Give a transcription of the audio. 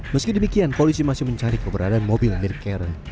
meski demikian polisi masih mencari keberadaan mobil milik karen